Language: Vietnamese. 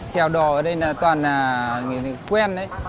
chèo đò ở đây là toàn là quen đấy